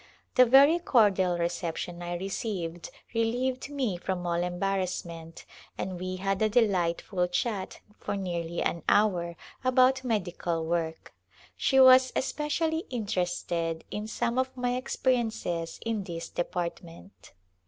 The very cordial recep tion I received relieved me from all embarrassment and we had a delightful chat for nearly an hour about medical work. She was especially interested in some of my experiences in this department.